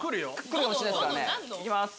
いきます。